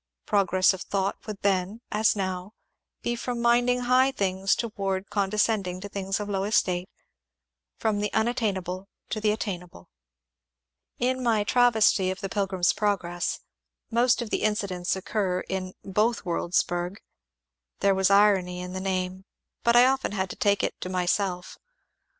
Pro gress of thought would then, as now, be from minding high things toward condescending to things of low estate — from the unattainable to the attainable. In my travesty of the *' Pilgrim's Progress " most of the incidents occur in " Bothworldsburg." There was irony in the name, but I often had to take it to myself.